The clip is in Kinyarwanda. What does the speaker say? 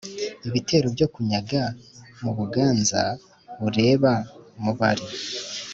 ibitero byo kunyaga mu buganza bureba mubari.